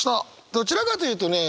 どちらかというとね